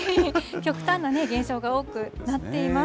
極端なね、現象が多くなっています。